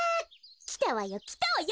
きたわよきたわよ。